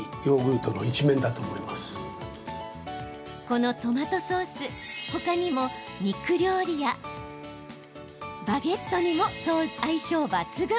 このトマトソース他にも肉料理やバゲットにも相性抜群。